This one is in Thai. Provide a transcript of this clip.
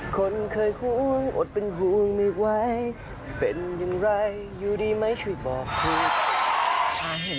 คนเคยห่วงอดเป็นห่วงไม่ไหวเป็นอย่างไรอยู่ดีไม่ช่วยบอกทุกคน